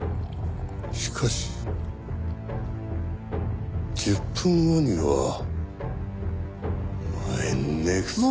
しかし１０分後には。